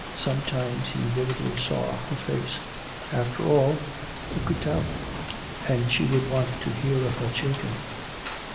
Sometimes he vividly saw her face. After all, who could tell? And she would want to hear of her children.